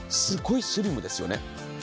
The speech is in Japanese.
すごいスリムですよね。